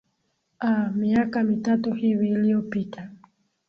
aah miaka mitatu hivi iliopita